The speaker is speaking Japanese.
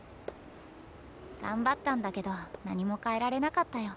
頑張ったんだけど何も変えられなかったよ。